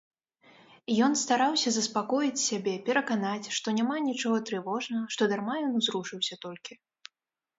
Ён стараўся заспакоіць сябе, пераканаць, што няма нічога трывожнага, што дарма ён узрушыўся толькі.